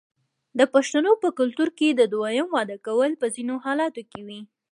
د پښتنو په کلتور کې د دویم واده کول په ځینو حالاتو کې وي.